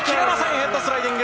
ヘッドスライディング！